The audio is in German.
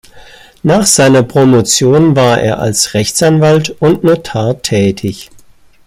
Nach seiner Promotion war er als Rechtsanwalt und Notar tätig.